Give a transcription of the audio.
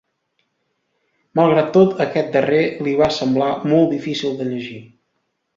Malgrat tot, aquest darrer li va semblar "molt difícil de llegir".